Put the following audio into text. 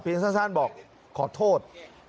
เพียงซ้านบอกขอโทษ